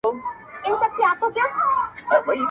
چاته د يار خبري ډيري ښې دي.